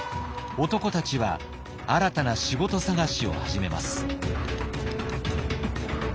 男たちは新たな仕事探しを始めます。